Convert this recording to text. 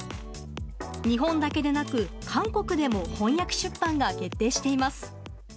日本だけでなく韓国でも翻訳出版が決定しています。